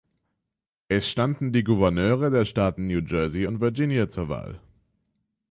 Es standen die Gouverneure der Staaten New Jersey und Virginia zur Wahl.